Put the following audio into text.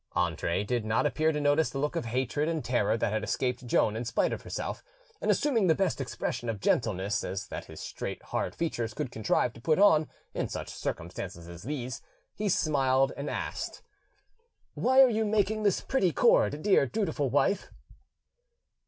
Andre did not appear to notice the look of hatred and terror that had escaped Joan in spite of herself, and assuming the best expression of gentleness as that his straight hard features could contrive to put on in such circumstances as these, he smilingly asked— "Why are you making this pretty cord, dear dutiful wife?"